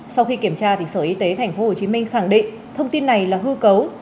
sau khi kiểm tra sở y tế tp hcm khẳng định thông tin này là hư cấu